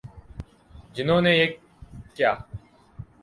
جنہوں نے یہ کیا۔